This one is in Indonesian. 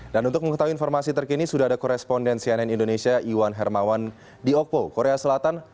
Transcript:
dan untuk mengetahui informasi terkini sudah ada koresponden cnn indonesia iwan hermawan di okpo korea selatan